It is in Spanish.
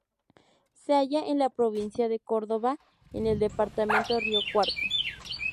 Se halla en la provincia de Córdoba en el departamento Río Cuarto.